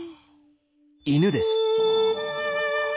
犬です。